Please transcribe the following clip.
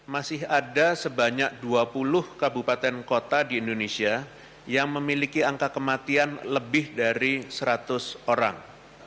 masih ada sebanyak dua puluh kabupaten kota di indonesia yang memiliki angka kematian lebih dari seratus orang